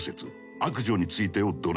「悪女について」をドラマ化。